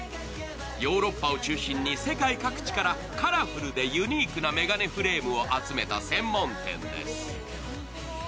ヨーロッパを中心に世界各地からカラフルでユニークな眼鏡フレームを集めた専門店です。